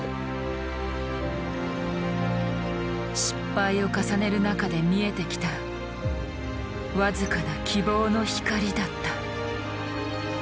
失敗を重ねる中で見えてきた僅かな希望の光だった。